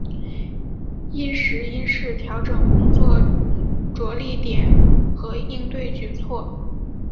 因时因势调整工作着力点和应对举措